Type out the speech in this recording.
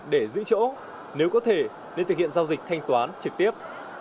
để giữ chỗ nếu có thể nên thực hiện giao dịch thanh toán trực tiếp